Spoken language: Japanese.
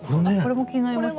これも気になりました。